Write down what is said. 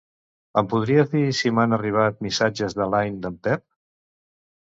Em podries dir si m'han arribat missatges de Line d'en Pep?